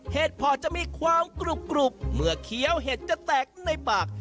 เพาะจะมีความกรุบเมื่อเคี้ยวเห็ดจะแตกในปาก